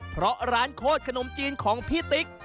เพราะร้านโคตรขนมจีนของพี่ติ๊ก